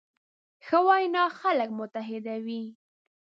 ښه وینا خلک متحدوي.